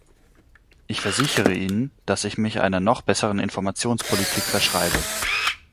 Ich versichere Ihnen, dass ich mich einer noch besseren Informationspolitik verschreibe.